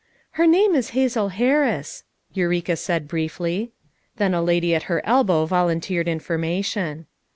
"Her name is Hazel Harris," Eureka said briefly. Then a lady at her elbow volunteered information.